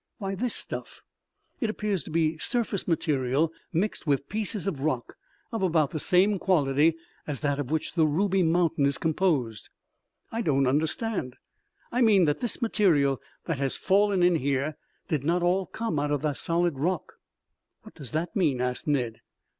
"Why, this stuff. It appears to be surface material mixed with pieces of rock of about the same quality as that of which the Ruby Mountain is composed." "I don't understand " "I mean that this material that has fallen in here did not all come out of the solid rock." "What does that mean?" asked Ned.